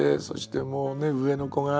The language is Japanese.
もうね上の子がね